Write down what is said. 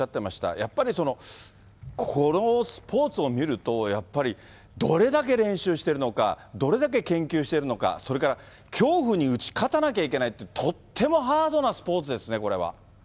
やっぱりこのスポーツを見ると、やっぱりどれだけ練習してるのか、どれだけ研究しているのか、それから恐怖に打ち勝たなきゃいけないって、とってもハードなスポーツですね、これは。